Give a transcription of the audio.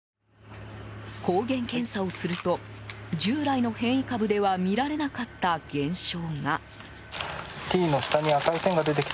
抗原検査をすると従来の変異株では見られなかった現象が。